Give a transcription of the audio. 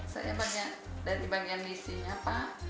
saya dari bagian misinya pak